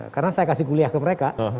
karena saya kasih kuliah ke mereka